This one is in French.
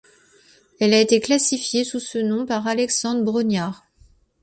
Elle été classifiée sous ce nom par Alexandre Brongniart.